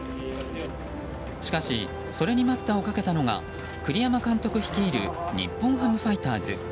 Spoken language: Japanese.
しかしそれに待ったをかけたのが栗山監督率いる日本ハムファイターズ。